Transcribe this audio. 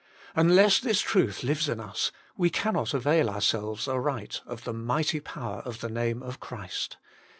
Unless this truth li ves in us, we cannot avail ourselves aright of the mighty power of the Name of Christ.